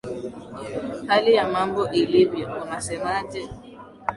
hali ya mambo ilivyo unasemaje